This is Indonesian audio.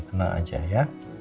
tenang aja ya